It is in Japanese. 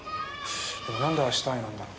でもなんで『明日へ』なんだろう。